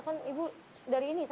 kan ibu dari ini